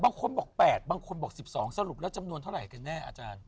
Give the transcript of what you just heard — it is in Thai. บางคนบอก๘บางคนบอก๑๒สรุปแล้วจำนวนเท่าไหร่กันแน่อาจารย์